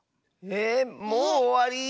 えもうおわり？